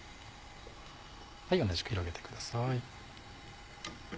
同じく広げてください。